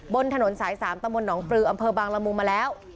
บนถนนสาย๓ตะมนตหนองปลืออำเภอบางละมุงมาแล้ว